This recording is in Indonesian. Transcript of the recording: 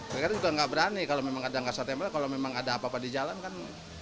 mereka juga nggak berani kalau memang ada nggak satembak kalau memang ada apa apa di jalan kan